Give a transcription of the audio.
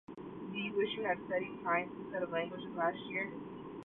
Do you wish you had studied science instead of languages last year?